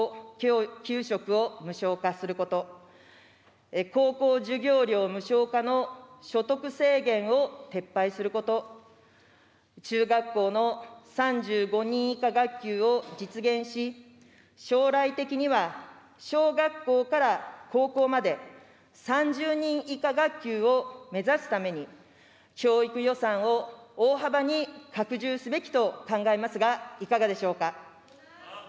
給食を無償化すること、高校授業料無償化の所得制限を撤廃すること、中学校の３５人以下学級を実現し、将来的には小学校から高校まで、３０人以下学級を目指すために、教育予算を大幅に拡充すべきと考えますが、いかがでしょうか。